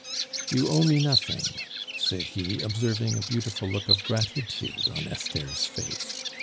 You owe me nothing," said he, observing a beautiful look of gratitude on Esther's face.